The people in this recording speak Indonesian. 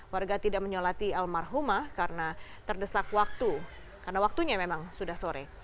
warga tidak menyolati almarhumah karena terdesak waktu karena waktunya memang sudah sore